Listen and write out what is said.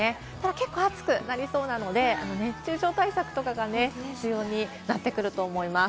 結構暑くなりそうなので熱中症対策が必要になってくると思います。